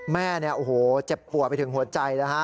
แม่เนี่ยโอ้โหเจ็บปวดไปถึงหัวใจนะฮะ